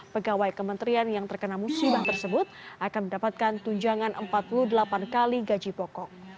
pegawai kementerian yang terkena musibah tersebut akan mendapatkan tunjangan empat puluh delapan kali gaji pokok